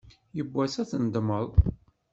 Yiwwas ad tendemmeḍ.